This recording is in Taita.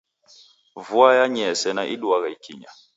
Vua yanyee sena iduagha ikinya.